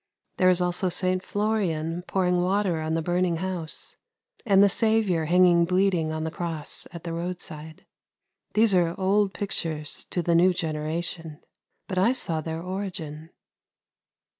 There is also St. Florian pouring water on the burning house, and the Saviour hanging bleeding on the cross at the roadside. These are old pictures to the new generation, but I saw their origin.